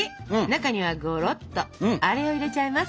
中にはごろっとアレを入れちゃいます！